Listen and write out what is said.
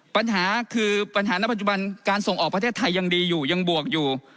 ปัญหาคือปัญหาณปัจจุบันการส่งออกประเทศไทยยังดีอยู่ยังบวกอยู่